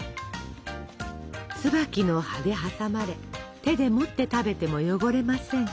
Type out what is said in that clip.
つばきの葉で挟まれ手で持って食べても汚れません。